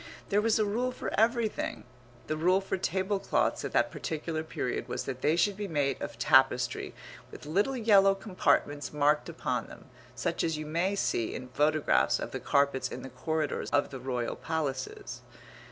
There was a rule for everything. The rule for tablecloths at that particular period was that they should be made of tapestry with little yellow compartments marked upon them, such as you may see in photographs of the carpets in the corridors of the royal palaces.